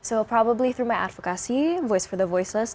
jadi mungkin melalui advokasi saya voice for the voiceless